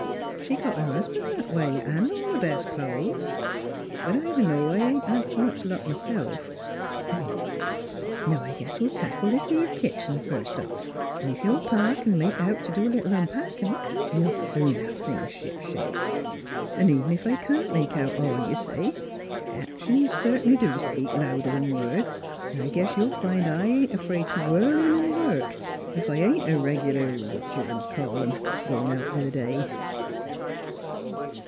She got her husban' that a way 'n' all her best clo'es. But I don' know; I ain't had s' much luck, myself. ... Now, I guess we'll tackle this 'ere kitchen, first So NEIGHBORS off, 'n' ef your pa c'n make out t' do a little un packin' we'll soon hev things ship shape. 'N' even ef I can't make out all you say, actions cert'nly do speak louder 'n' words, 'n' I guess you'll find I ain't afraid t' whirl in 'n' work, ef I ain't a reg'lar whachucallem, goin' out b' th' day."